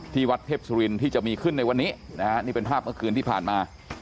ที่วัดเทพสุรินที่จะมีขึ้นในวันนี้นะฮะนี่เป็นภาพเมื่อคืนที่ผ่านมา